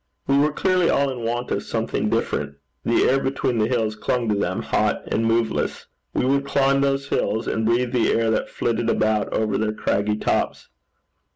We were clearly all in want of something different. The air between the hills clung to them, hot and moveless. We would climb those hills, and breathe the air that flitted about over their craggy tops.